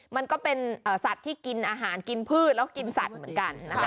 มันก็เป็นสัตว์ที่กินอาหารกินพืชแล้วกินสัตว์เหมือนกันนะคะ